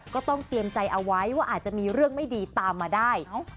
ก็ต้องเตรียมใจเอาไว้ว่าอาจจะมีเรื่องไม่ดีตามมาได้